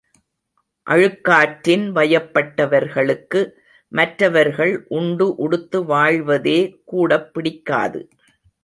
அழுக்காற்றின் வயப்பட்டவர்களுக்கு மற்றவர்கள் உண்டு, உடுத்து வாழ்வதே கூடப் பிடிக்காது!